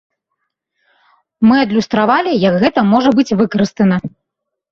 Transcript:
Мы адлюстравалі, як гэта можа быць выкарыстана.